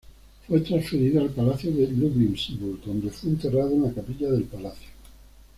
Fue transferido al Palacio de Ludwigsburg donde fue enterrado en la capilla del palacio.